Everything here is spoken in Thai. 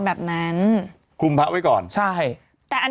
แบบนั้นคุมพระไว้ก่อน